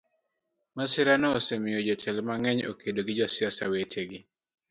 Masirano osemiyo jotelo mang'eny okedo gi josiasa wetegi.